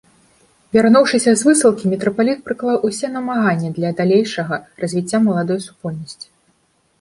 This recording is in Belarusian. Вярнуўшыся з высылкі, мітрапаліт прыклаў усе намаганні для далейшага развіцця маладой супольнасці.